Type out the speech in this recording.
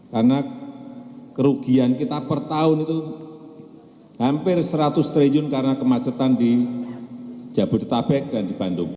karena kerugian kita per tahun itu hampir seratus triliun karena kemacetan di jabodebek dan di bandung